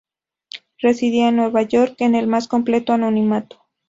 Residía en Nueva York en el más completo anonimato.